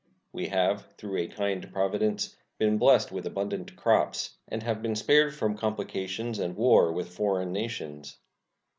We have, through a kind Providence, been blessed with abundant crops, and have been spared from complications and war with foreign nations.